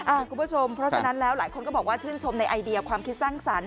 คุณผู้ชมเพราะฉะนั้นแล้วหลายคนก็บอกว่าชื่นชมในไอเดียความคิดสร้างสรรค์